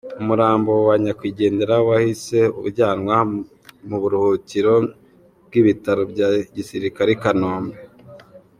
Umurambo wa nyakwigendera wahise ujyanwa mu buruhukiro bw’Ibitaro bya Gisirikare i Kanombe.